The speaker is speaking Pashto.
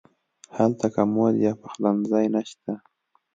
هلته کمود یا پخلنځی نه شته.